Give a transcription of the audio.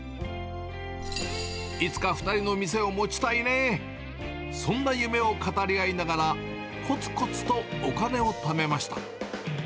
いつか２人の店を持ちたいね、そんな夢を語り合いながら、こつこつとお金をためました。